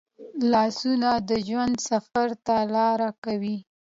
لاسونه د ژوند سفر ته لار کوي